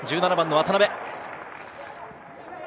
１７番の渡邊。